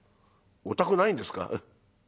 「お宅ないんですか」。